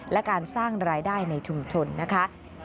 และการสร้างรายได้ในชุมชนนะคะ